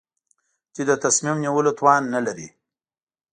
چې د تصمیم نیولو توان نه لري.